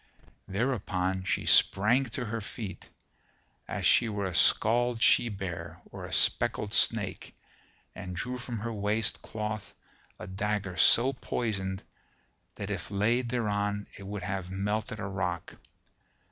Thereupon she sprang to her feet, as she were a scald she bear or a speckled snake, and drew from her waist cloth a dagger so poisoned that if laid thereon it would have melted a rock.